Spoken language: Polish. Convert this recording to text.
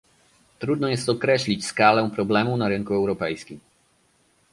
Trudno jest określić skalę problemu na rynku europejskim